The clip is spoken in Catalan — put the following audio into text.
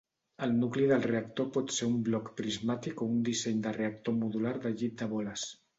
El nucli del reactor pot ser un bloc prismàtic o un disseny de reactor modular de llit de boles.